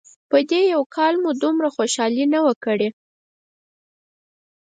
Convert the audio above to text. په دې یو کال مو دومره خوشحالي نه وه کړې.